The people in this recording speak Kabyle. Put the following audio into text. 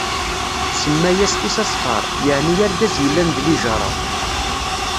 Tsemma-as Isasxaṛ, yeɛni argaz yellan d lijaṛa.